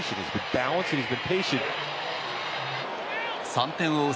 ３点を追う